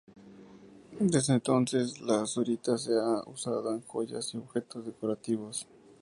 Desde entonces, la azurita se ha usado en joyas y objetos decorativos.